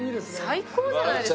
最高じゃないですかこれ。